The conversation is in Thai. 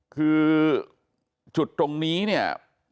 คือจุดตรงนี้เนี่ย